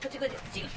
違う。